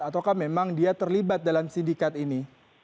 ataukah memang dia terlibat dalam sindikat ini